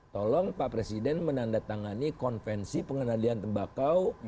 tolong pak presiden menandatangani konvensi pengenalian tembakau